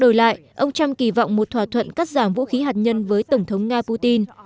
đổi lại ông trump kỳ vọng một thỏa thuận cắt giảm vũ khí hạt nhân với tổng thống nga putin